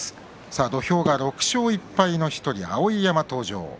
土俵が６勝１敗の１人碧山、登場。